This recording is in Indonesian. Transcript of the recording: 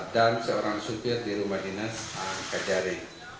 dan seorang subyek di rumah dinas kejari